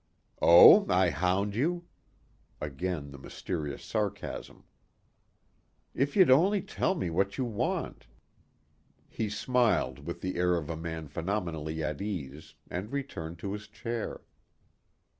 "Oh, I hound you?" Again the mysterious sarcasm. "If you'd only tell me what you want." He smiled with the air of a man phenomenally at ease and returned to his chair.